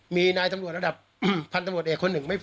มีนายตำรวจระดับพันธุ์ตำรวจเอกคนหนึ่ง